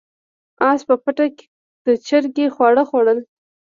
اس په پټه د چرګې خواړه خوړل.